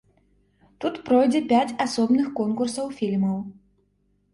Тут пройдзе пяць асобных конкурсаў фільмаў.